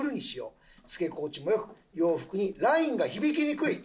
つけ心地もよく洋服にラインが響きにくい。